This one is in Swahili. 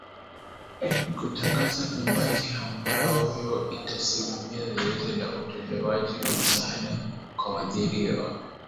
kutangaza kamati ambayo itasimamia zoezi la utolewaji wa msaada kwa waadhiriwa